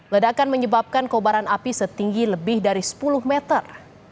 ledakan menyebabkan kobaran api setinggi lebih dari sepuluh meter